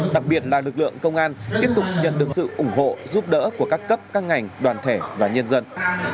đặc biệt là lực lượng công an tiếp tục nhận được sự ủng hộ giúp đỡ của các cấp các ngành đoàn thể và nhân dân